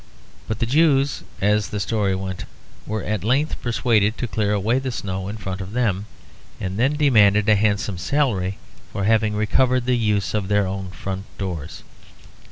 But the Jews, as the story went, were at length persuaded to clear away the snow in front of them, and then demanded a handsome salary for having recovered the use of their own front doors.